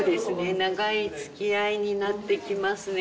長いつきあいになってきますね。